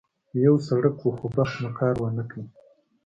یو سړک و، خو بخت مو کار ونه کړ.